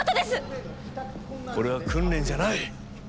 これは訓練じゃない。